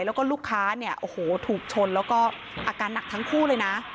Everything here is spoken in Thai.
แล้วก็ลูกค้าเนี่ยโอ้โหถูกชนแล้วก็อาการหนักทั้งคู่เลยนะ